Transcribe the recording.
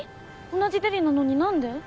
同じデリなのになんで？